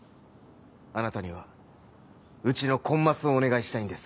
あなたにはうちのコンマスをお願いしたいんです。